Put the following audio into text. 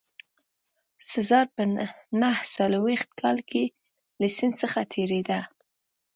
سزار په نه څلوېښت کال کې له سیند څخه تېرېده.